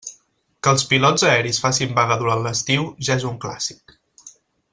Que els pilots aeris facin vaga durant l'estiu, ja és un clàssic.